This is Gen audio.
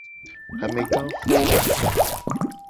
Amegaxo.